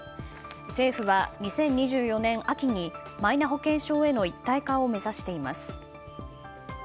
政府は２０２４年秋にマイナ保険証への一体化を目指しています。